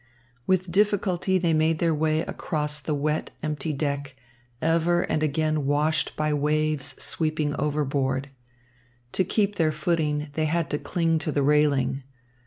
With difficulty they made their way across the wet, empty deck, ever and again washed by waves sweeping overboard. To keep their footing they had to cling to the railing.